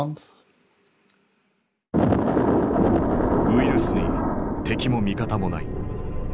ウイルスに敵も味方もない。